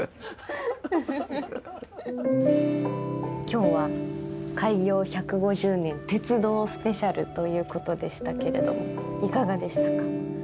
今日は「開業１５０年鉄道スペシャル」ということでしたけれどもいかがでしたか？